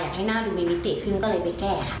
อยากให้หน้าดูมิมิติขึ้นก็เลยไปแก้ค่ะ